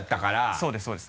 そうですそうです。